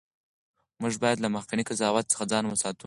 موږ باید له مخکني قضاوت څخه ځان وساتو.